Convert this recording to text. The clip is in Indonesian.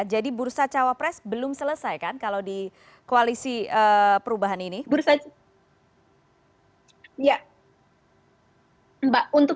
jadi bursa cawa press belum selesai kan kalau di koalisi perubahan ini